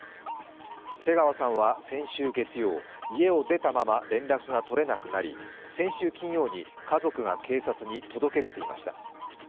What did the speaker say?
瀬川さんは先週月曜、家を出たまま連絡が取れなくなり先週金曜に家族が警察に届け出ていました。